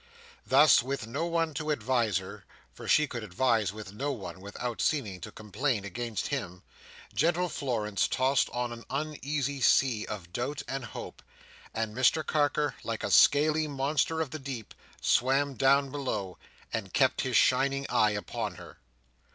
Thus, with no one to advise her—for she could advise with no one without seeming to complain against him—gentle Florence tossed on an uneasy sea of doubt and hope; and Mr Carker, like a scaly monster of the deep, swam down below, and kept his shining eye upon her.